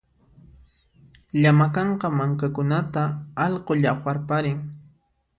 Llama kanka mankakunata allqu llaqwarparin